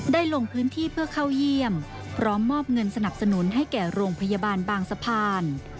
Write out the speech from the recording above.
ลงพื้นที่เพื่อเข้าเยี่ยมพร้อมมอบเงินสนับสนุนให้แก่โรงพยาบาลบางสะพาน